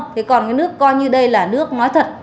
thế còn cái nước coi như đây là nước nói thật